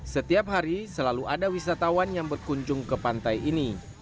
setiap hari selalu ada wisatawan yang berkunjung ke pantai ini